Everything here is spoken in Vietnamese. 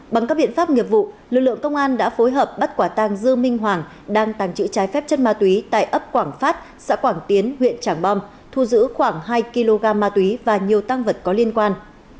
bằng các biện pháp nghiệp vụ lực lượng công an đã phối hợp bắt quả tàng dư minh hoàng đang tàng trữ trái phép chất ma túy tại ấp quảng phát xã quảng tiến huyện trảng bom thu giữ khoảng hai kg ma túy và nhiều tăng vật có liên quan